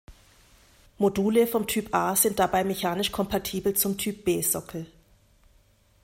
Module vom Typ-A sind dabei mechanisch kompatibel zum Typ-B-Sockel.